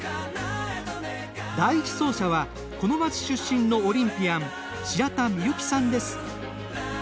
第１走者はこの町出身のオリンピアン白田美由希さんです。